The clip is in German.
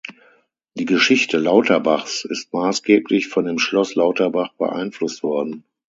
Die Geschichte Lauterbachs ist maßgeblich von dem Schloss Lauterbach beeinflusst worden.